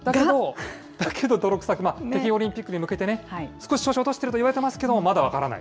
だけど、泥臭く、北京オリンピックに向けて、少し調子落としてるといわれてますけど、まだ分からない。